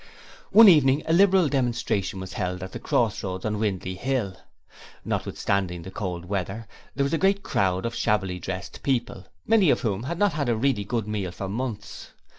One evening a Liberal demonstration was held at the Cross Roads on Windley Hill. Notwithstanding the cold weather, there was a great crowd of shabbily dressed people, many of whom had not had a really good meal for months.